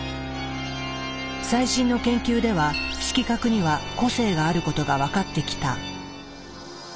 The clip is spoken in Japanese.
最新の研究では色覚には個性があることが分かってきた。